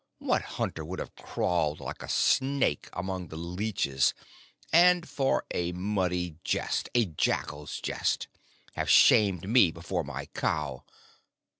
What hunter would have crawled like a snake among the leeches, and for a muddy jest a jackal's jest have shamed me before my cow?